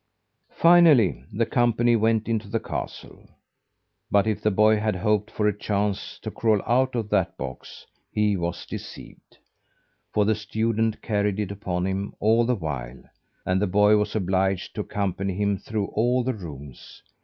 Finally the company went into the castle. But if the boy had hoped for a chance to crawl out of that box, he was deceived; for the student carried it upon him all the while, and the boy was obliged to accompany him through all the rooms.